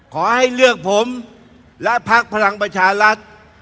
ขอให้เลือกผมและพักพลังประชารัฐ